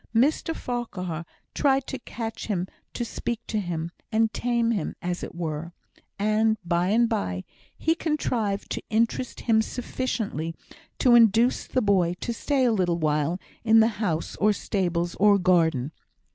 Mr Farquhar tried to catch him to speak to him, and tame him as it were; and, by and by, he contrived to interest him sufficiently to induce the boy to stay a little while in the house, or stables, or garden.